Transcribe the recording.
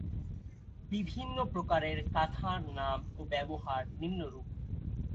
বিভিন্ন প্রকারের কাঁথার নাম ও ব্যবহার নিম্নরূপ